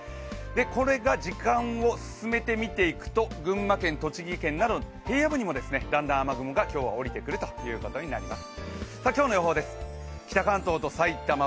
これが時間を進めて見ていくと、群馬県、栃木県など平野部にも今日は雨雲が今日は降りてくるということになります。